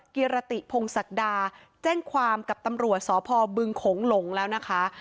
เกียรติพงศักดาแจ้งความกับตำรวจสพบึงโขงหลงแล้วนะคะ